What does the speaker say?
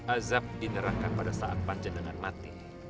azab dinerangkan pada saat panjendengan mati